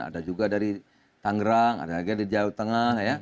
ada juga dari tanggrang ada lagi di jawa tengah ya